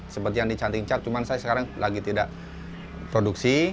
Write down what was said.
seperti yang di canting cak cuma saya sekarang lagi tidak produksi